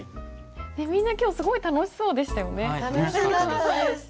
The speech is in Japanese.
みんな今日すごい楽しそうでしたよね。